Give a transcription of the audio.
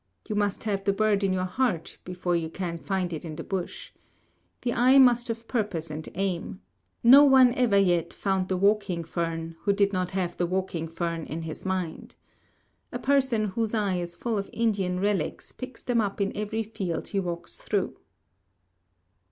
You must have the bird in your heart before you can find it in the bush. The eye must have purpose and aim. No one ever yet found the walking fern who did not have the walking fern in his mind. A person whose eye is full of Indian relics picks them up in every field he walks through.